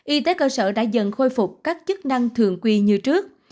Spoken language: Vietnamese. y tế cơ sở đã dần khôi phục các chức năng thường quy như trước